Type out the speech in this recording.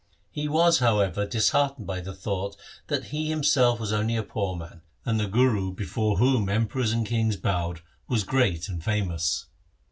He was. however, disheartened by the thought that he himself was only a poor man, and the Guru before whom em perors and kings bowed was great and famous.